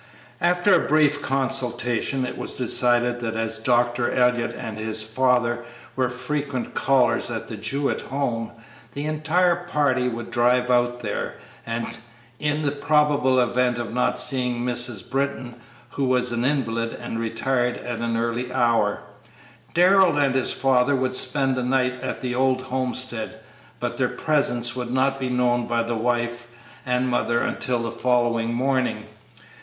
After brief consultation it was decided that as Dr. Elliott and his father were frequent callers at the Jewett home, the entire party would drive out there, and, in the probable event of not seeing Mrs. Britton, who was an invalid and retired at an early hour, Darrell and his father would spend the night at the old homestead, but their presence would not be known by the wife and mother until the following morning.